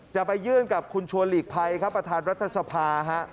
จะไปยื่นกับคุณชัวร์หลีคภัยประธานรัฐศพา